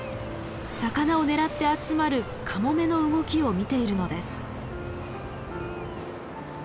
魚を狙って集まるカモメの動きを見ているのです。